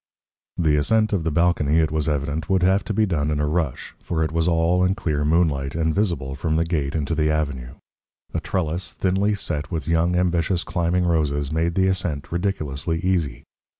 The ascent of the balcony, it was evident, would have to be done in a rush, for it was all in clear moonlight, and visible from the gate into the avenue. A trellis thinly set with young, ambitious climbing roses made the ascent ridiculously easy.